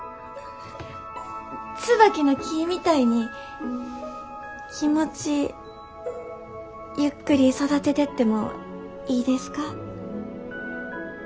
ツバキの木みたいに気持ちゆっくり育ててってもいいですか？